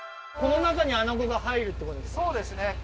この中にアナゴが入るってことですか？